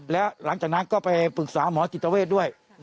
แล้วหลังจากนั้นก็ไปปรึกษาหมอจิตเวทด้วย